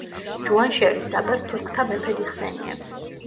ჯუანშერი საბას „თურქთა მეფედ“ იხსენიებს.